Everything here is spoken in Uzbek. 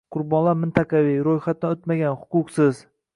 Qurbonlar mintaqaviy, ro'yxatdan o'tmagan, huquqsiz